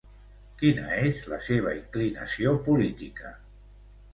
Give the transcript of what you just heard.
Quina és la seva inclinació política?